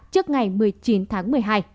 trước ngày một mươi chín tháng một mươi hai